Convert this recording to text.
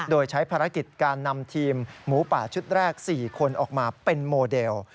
โดยใช้ภารกิจการนำทีมหมูป่าชุดแรก๔คนออกมาเป็นโมเดล